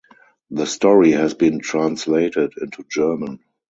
The story has been translated into German.